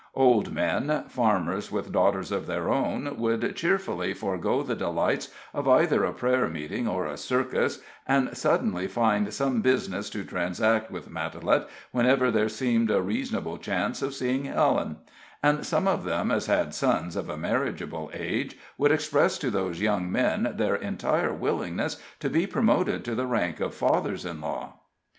Old men farmers with daughters of their own would cheerfully forego the delights of either a prayer meeting or a circus, and suddenly find some business to transact with Matalette, whenever there seemed a reasonable chance of seeing Helen; and such of them as had sons of a marriageable age would express to those young men their entire willingness to be promoted to the rank of fathers in law.